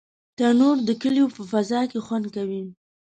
تنور د کلیو په فضا کې خوند کوي